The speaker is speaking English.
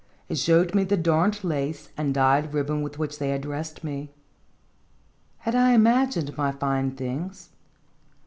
It showed me the darned lace and dyed ribbon with which they had dressed me. Had I imagined my fine things?